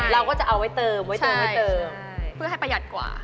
เราก็จะเอาไว้เติมเพื่อให้ประหยัดกว่า